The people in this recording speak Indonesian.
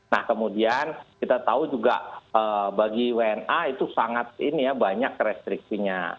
nah kemudian kita tahu juga bagi wna itu sangat ini ya banyak restriksinya